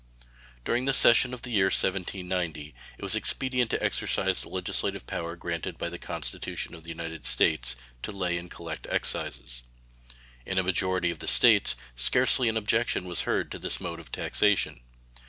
During the session of the year 1790 it was expedient to exercise the legislative power granted by the Constitution of the United States "to lay and collect excises". In a majority of the States scarcely an objection was heard to this mode of taxation.